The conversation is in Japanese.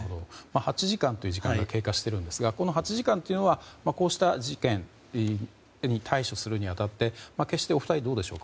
８時間という時間が経過しているんですがこの８時間はこうした事件を対処するに当たりお二人どうでしょう。